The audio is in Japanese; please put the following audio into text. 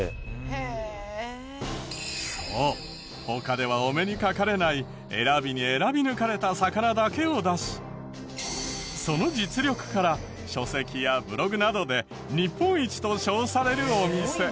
そう他ではお目にかかれない選びに選び抜かれた魚だけを出しその実力から書籍やブログなどで日本一と称されるお店。